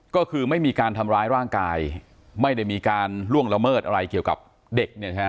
ก็คือไม่มีการทำร้ายร่างกายไม่ได้มีการล่วงละเมิดอะไรเกี่ยวกับเด็ก